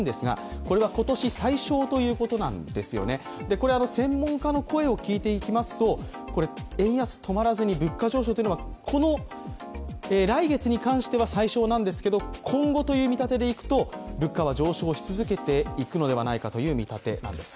これ専門家の声を聞いていきますと円安止まらずに物価上昇が、来月に関しては最小なんですけど、今後という見立てでいくと、物価は上昇し続けていくのではないかという見立てです。